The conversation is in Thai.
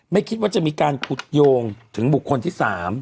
ไม่คิดว่าจะมีการขุดโยงถึงบุคคลที่๓